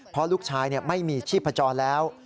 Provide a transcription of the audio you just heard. เพราะลูกชายไม่มีชีพจรแล้ว